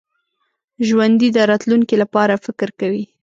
ژوندي د راتلونکي لپاره فکر کوي